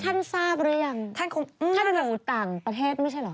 ท่านทราบหรือยังท่านหูต่างประเทศไม่ใช่เหรอ